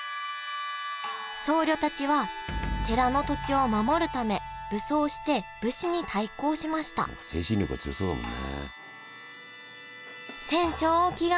僧侶たちは寺の土地を守るため武装して武士に対抗しました精神力が強そうだもんね。